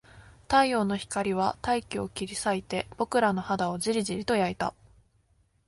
太陽の光は大気を切り裂いて、僕らの肌をじりじりと焼いた